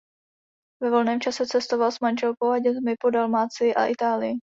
Ve volném čase cestoval s manželkou a dětmi po Dalmácii a Itálii.